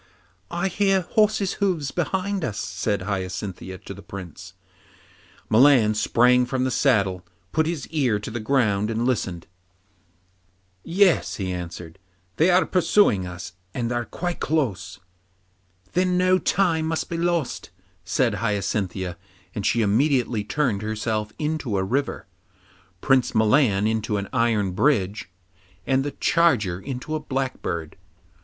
'I hear horses' hoofs behind us,' said Hyacinthia to the Prince. Milan sprang from the saddle, put his ear to the ground and listened. 'Yes,' he answered, 'they are pursuing us, and are quite close.' 'Then no time must be lost,' said Hyacinthia, and she immediately turned herself into a river, Prince Milan into an iron bridge, and the charger into a blackbird.